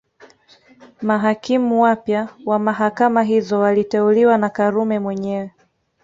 Mahakimu wapya wa mahakama hizo waliteuliwa na Karume mwenyewe